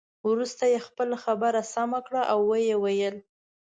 وروسته یې خپله خبره سمه کړه او ويې ویل.